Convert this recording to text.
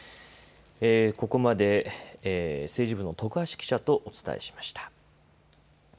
ここまで政治部の徳橋記者とお伝えしました。